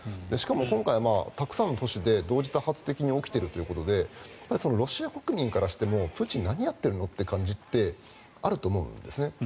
しかも今回、たくさんの都市で同時多発的に起きているということでロシア国民からしてもプーチン何やってるのって感じってあると思うんですね。